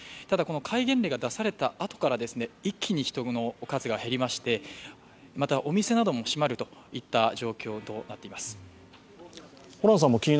ただ戒厳令が出されたあとから、一気に人の数が減りましてまた、お店なども閉まるといった状況となっています。